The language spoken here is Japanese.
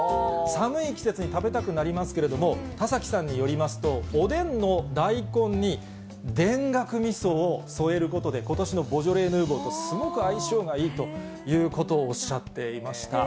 寒い季節に食べたくなりますけれども、田崎さんによりますと、おでんの大根に、田楽みそを添えることで、ことしのボジョレ・ヌーボーとすごく相性がいいということをおっしゃっていました。